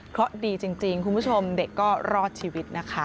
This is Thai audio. เพราะดีจริงคุณผู้ชมเด็กก็รอดชีวิตนะคะ